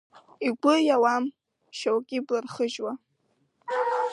Игәы иауам, шьоук ибла рхыжьуа…